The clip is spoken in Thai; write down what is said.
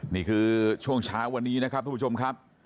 นี่คือช่วงเช้าวันนี้นะครับทุกผู้ชมครับ